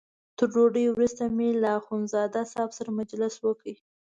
تر ډوډۍ وروسته مې له اخندزاده صاحب سره مجلس وکړ.